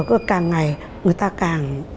càng ngày người ta càng